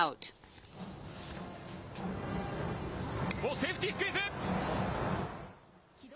セーフティースクイズ。